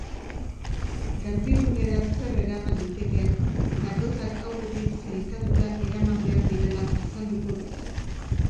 Garbigunera zer eraman litekeen eta gauzak aurretik sailkatuta eraman behar direla azalduko dute.